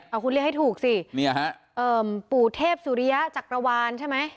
เอาคุณเรียกให้ถูกสิปู่เทพสุริยะจักรวาลใช่ไหม